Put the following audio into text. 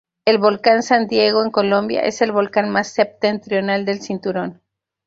El volcán San Diego en Colombia es el volcán más septentrional del cinturón.